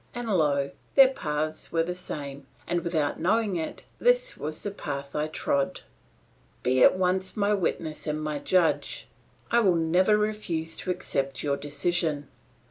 And lo! their paths were the same, and without knowing it this was the path I trod. "Be at once my witness and my judge; I will never refuse to accept your decision.